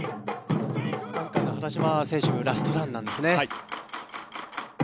原嶋選手ラストランなんですね。